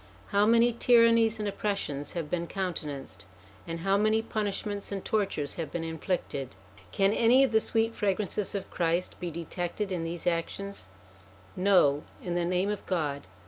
How many tyrannies and oppressions have been countenanced, and how many punishments and tortures have been inflicted ! Can any of the sweet fragrances of Christ be 156 SOME ANSWERED QUESTIONS detected in these actions ? No ! in the name of God